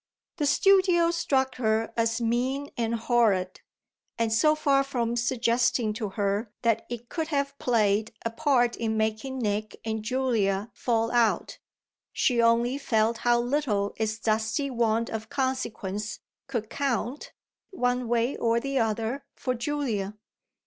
The studio struck her as mean and horrid; and so far from suggesting to her that it could have played a part in making Nick and Julia fall out she only felt how little its dusty want of consequence, could count, one way or the other, for Julia.